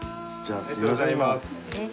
ありがとうございます。